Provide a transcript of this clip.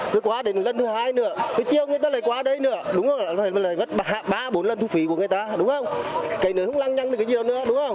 lượt qua đến lần thứ hai nữa lượt qua đến lần thứ ba bốn lần thu phí của người ta